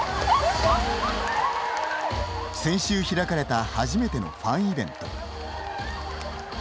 先週開かれた初めてのファンイベント。